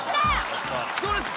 どうです？